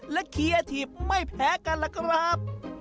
และเคียทิพย์ไม่แพ้กันล่ะครับ